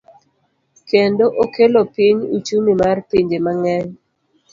Kendo okelo piny uchumi mar pinje mang'eny.